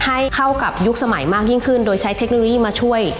ให้เข้ากับยุคสมัยมากยิ่งขึ้นโดยใช้เทคโนโลยีมาช่วย